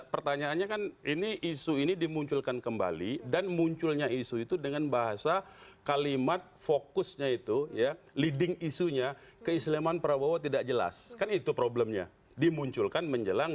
tetaplah bersama kami di layar pemilu tepercaya